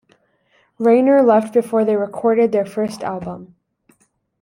Rayner left before they recorded their first album.